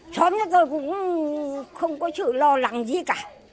xóm chúng tôi cũng không có sự lo lắng gì cả